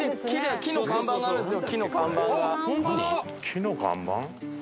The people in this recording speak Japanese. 木の看板？